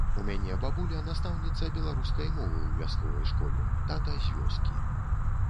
У мяне бабуля настаўніца беларускай мовы ў вясковай школе, тата з вёскі.